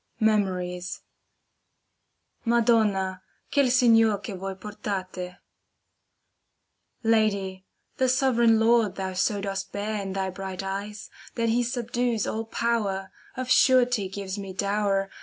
tCy^^ [T/a Madonna, quel signer, che voi portate Lady, the sovran Lord thou so dost bear In thy bright eyes, that he subdues all power, Of surety gives me dow^er.